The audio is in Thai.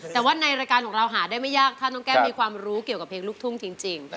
แต่ว่าในรายการของเราหาได้ไม่ยากถ้าน้องแก้วมีความรู้เกี่ยวกับเพลงลูกทุ่งจริง